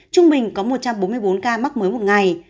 trung bình có một trăm bốn mươi bốn ca